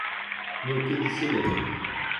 N'eo ket diseven.